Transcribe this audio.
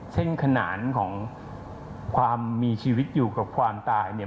เส้นขนานของความมีชีวิตอยู่กับความตาย